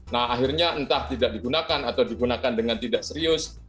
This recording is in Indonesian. nah akhirnya entah tidak digunakan atau digunakan dengan tidak serius